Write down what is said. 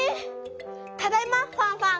ただいまファンファン。